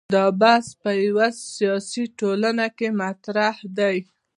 دا بحث په یوه سیاسي ټولنه کې مطرح دی.